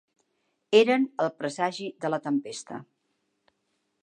Eren el presagi de la tempesta.